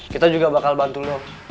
kita juga bakal bantu lo